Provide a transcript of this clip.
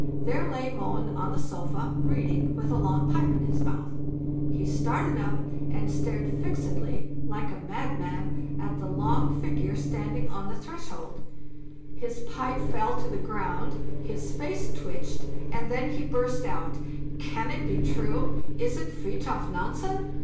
There lay Mohn on the sofa, reading, with a long pipe in his mouth. He started up and stared fixedly, like a madman, at the long figure standing on the threshold; his pipe fell to the ground, his face twitched, and then he burst out, "Can it be true? = Is it Fridtjof Nansen?"